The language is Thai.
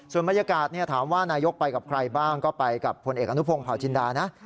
ส่วนบรรยากาศถามว่านายกไปกับใครบ้างก็ไปกับผลเอกอนุพงศ์เผาจินดานะ